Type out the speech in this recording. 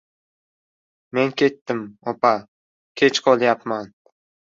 Men ketdim, opa. Kech qolyapman.